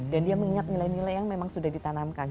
dan dia mengingat nilai nilai yang memang sudah ditanamkan